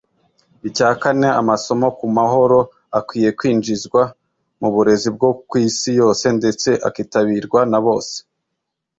Icya kane amasomo ku mahoro akwiye kwinjizwa mu burezi bwo ku isi yose ndetse akitabirwa na bose